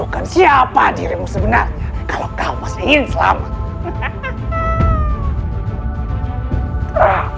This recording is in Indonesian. kau masih ingin selamat